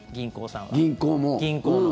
銀行も。